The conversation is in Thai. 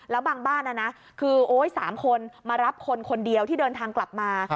แล้วบางบ้านคือโอ๊ย๓คนมารับคนคนเดียวที่เดินทางกลับมา